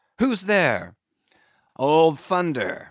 "Who's there?" "Old Thunder!"